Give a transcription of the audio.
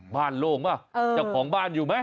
โล่งป่ะเจ้าของบ้านอยู่ไหม